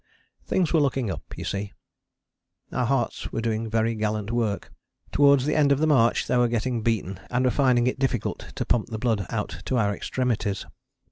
Things were looking up, you see. Our hearts were doing very gallant work. Towards the end of the march they were getting beaten and were finding it difficult to pump the blood out to our extremities.